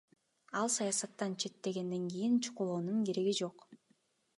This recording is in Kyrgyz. Ал саясаттан четтегенден кийин чукулоонун кереги жок.